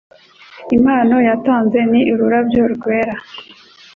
Impano yatanze ni ururabyo rwera